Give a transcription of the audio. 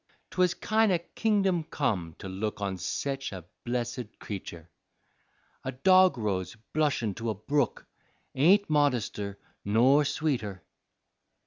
'Twas kin' o' kingdom come to look On sech a blessed cretur, A dogrose blushin' to a brook Ain't modester nor sweeter.